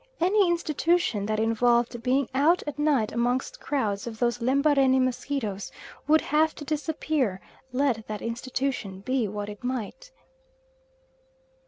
Any institution that involved being out at night amongst crowds of those Lembarene mosquitoes would have to disappear, let that institution be what it might.